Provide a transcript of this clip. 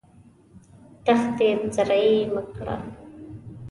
دښتې زرعي مه کړه.